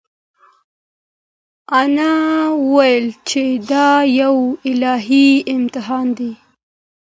انا وویل چې دا یو الهي امتحان دی.